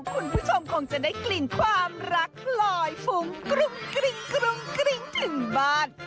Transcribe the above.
คุณผู้ชมคงจะได้กลิ่นความรักลอยฟุ้งกริ้งกริ้งกริ้งถึงบ้าน